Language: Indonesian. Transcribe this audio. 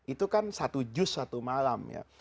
itu kan satu jus satu malam ya